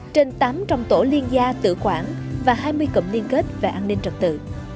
trên tám trong tổ liên gia tự quản và hai mươi cụm liên kết về an ninh trật tự